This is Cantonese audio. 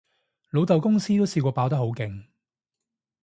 老豆公司都試過爆得好勁